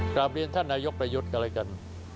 กลับเรียนท่านนายกประยุทธ์กันแล้วกัน